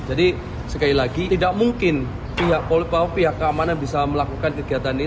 jadi sekali lagi tidak mungkin pihak polipaw pihak keamanan bisa melakukan kegiatan ini